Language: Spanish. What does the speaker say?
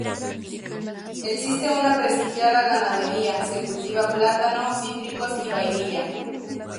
Existe una prestigiada ganadería, se cultiva plátano, cítricos y vainilla.